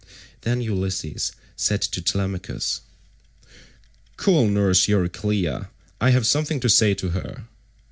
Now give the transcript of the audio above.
Then Ulysses said to Telemachus, "Call nurse Euryclea; I have something to say to her."